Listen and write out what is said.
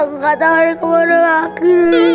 aku gak tahu mau ke mana lagi